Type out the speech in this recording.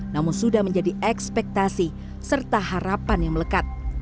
namun sudah menjadi ekspektasi serta harapan yang melekat